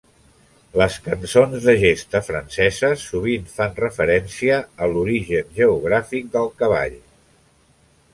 Les cançons de gesta franceses sovint fan referència a l’origen geogràfic del cavall.